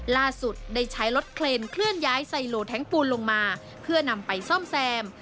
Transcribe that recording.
ได้ใช้รถเคลนเคลื่อนย้ายไซโลแท้งปูนลงมาเพื่อนำไปซ่อมแซม